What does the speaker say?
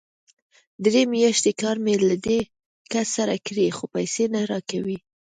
درې مياشتې کار مې له دې کس سره کړی، خو پيسې نه راکوي!